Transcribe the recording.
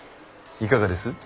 いかがです？